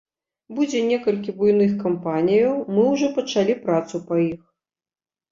Будзе некалькі буйных кампаніяў, мы ўжо пачалі працу па іх.